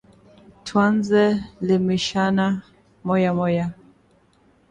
Tuanze limishana moya moya